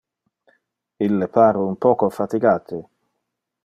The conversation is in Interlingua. Ille pare un poco fatigate.